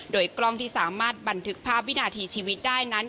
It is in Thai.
โดยกล้องที่สามารถบันทึกภาพวินาทีชีวิตได้นั้น